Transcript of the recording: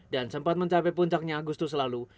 dan sempat mencapai puncaknya agustus lalu